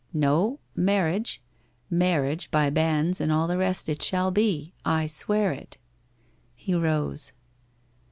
No, marriage — marriage by banns and all the rest it shall be, I swear it.' He rose.